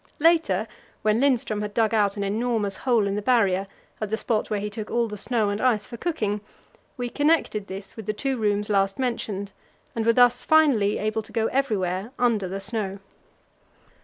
Later, when Lindström had dug out an enormous hole in the Barrier at the spot where he took all the snow and ice for cooking, we connected this with the two rooms last mentioned, and were thus finally able to go everywhere under the snow.